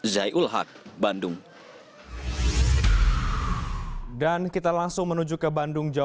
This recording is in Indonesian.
zai ulhak bandung